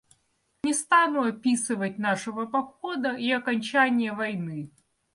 Не стану описывать нашего похода и окончания войны.